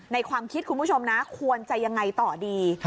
ความคิดคุณผู้ชมนะควรจะยังไงต่อดี